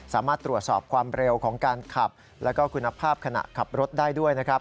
สามารถตรวจสอบความเร็วของการขับแล้วก็คุณภาพขณะขับรถได้ด้วยนะครับ